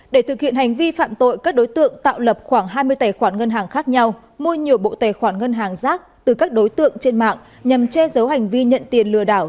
để thực hiện hành vi phạm tội các đối tượng tạo lập khoảng hai mươi tài khoản ngân hàng khác nhau mua nhiều bộ tài khoản ngân hàng rác từ các đối tượng trên mạng nhằm che giấu hành vi nhận tiền lừa đảo